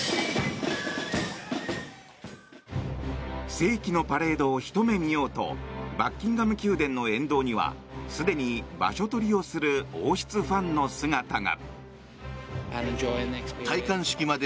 世紀のパレードをひと目見ようとバッキンガム宮殿の沿道にはすでに場所取りをする王室ファンの姿が。